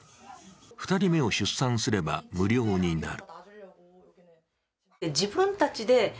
２人目を出産すれば、無料になる。